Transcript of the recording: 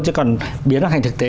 chứ còn biến nó thành thực tế